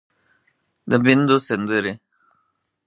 د ميندو سندرې